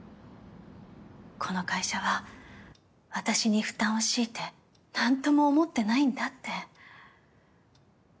この会社は私に負担を強いて何とも思ってないんだって。